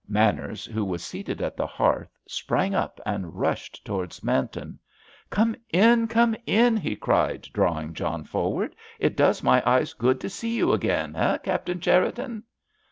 Manners, who was seated at the hearth, sprang up and rushed towards Manton. "Come in! Come in!" he cried, drawing John forward. "It does my eyes good to see you again, eh, Captain Cherriton?"